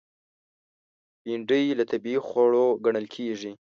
بېنډۍ له طبیعي خوړو ګڼل کېږي